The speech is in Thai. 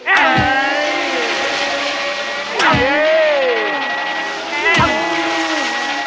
เอ๊เอย